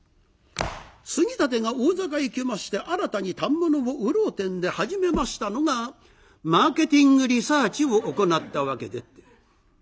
杉立が大坂行きまして新たに反物を売ろうてんで始めましたのがマーケティングリサーチを行ったわけでって。